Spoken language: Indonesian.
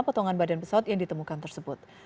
potongan badan pesawat yang ditemukan tersebut